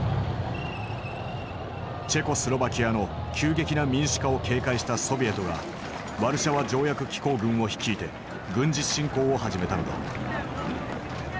チェコスロバキアの急激な民主化を警戒したソビエトがワルシャワ条約機構軍を率いて軍事侵攻を始めたのだ。